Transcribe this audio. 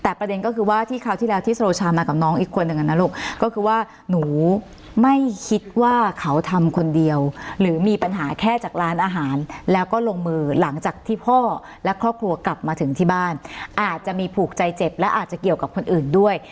และครอบครัวกลับมาถึงที่บ้านอาจจะมีผูกใจเจ็บและอาจจะเกี่ยวกับคนอื่นด้วย